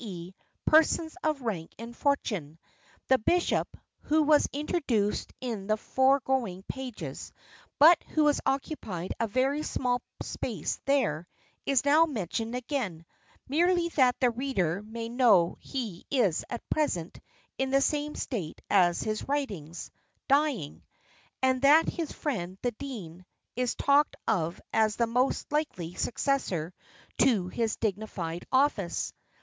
e., persons of rank and fortune. The bishop, who was introduced in the foregoing pages, but who has occupied a very small space there, is now mentioned again, merely that the reader may know he is at present in the same state as his writings dying; and that his friend, the dean, is talked of as the most likely successor to his dignified office.